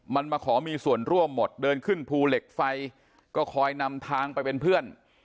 มันมาขอมีส่วนร่วมหมดเดินขึ้นภูเหล็กไฟก็คอยนำทางไปเป็นเพื่อน